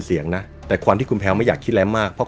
เสียงนะแต่ความที่คุณแพลวไม่อยากคิดอะไรมากเพราะ